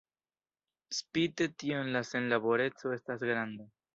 Spite tion la senlaboreco estas granda.